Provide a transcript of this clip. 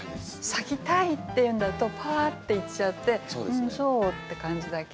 「咲きたい」っていうんだとパーッていっちゃって「うんそう」って感じだけど。